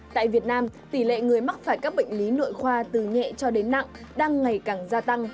tại việt nam tỷ lệ người mắc phải các bệnh lý nội khoa từ nhẹ cho đến nặng đang ngày càng gia tăng